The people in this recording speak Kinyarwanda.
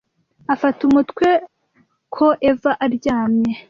afata umutwe ko eva aryamye